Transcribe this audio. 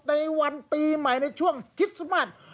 ในวันปีใหม่ในช่วงคริสต์มาส